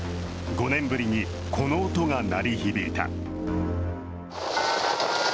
５年ぶりにこの音が鳴り響いた。